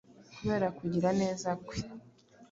kubera kugira neza kwe